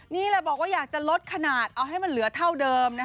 นี่แหละบอกว่าอยากจะลดขนาดเอาให้มันเหลือเท่าเดิม